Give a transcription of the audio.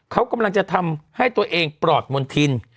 เขากำลังจะทำให้ตัวเองปลอดมณฑิน